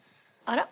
あら？